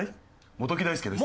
元木大介です。